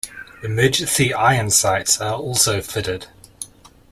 Emergency iron sights are also fitted.